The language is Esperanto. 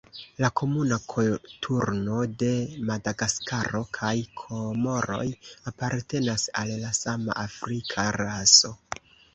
La Komuna koturno de Madagaskaro kaj Komoroj apartenas al la sama afrika raso.